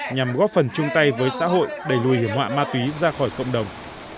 nhằm góp phần chung tay với xã hội đẩy lùi hiểm họa ma túy ra khỏi cộng đồng